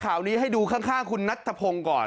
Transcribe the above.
ข่าวนี้ให้ดูข้างคุณนัทธพงศ์ก่อน